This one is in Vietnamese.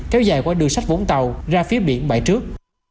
kéo dài qua đường sách vũng tàu ra phía biển bãi trước